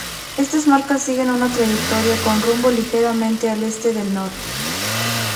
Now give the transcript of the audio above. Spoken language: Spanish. Estas marcas siguen una trayectoria con rumbo ligeramente al este del norte.